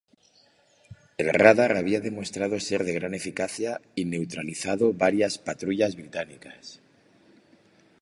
El radar había demostrado ser de gran eficacia, y neutralizado varias patrullas británicas.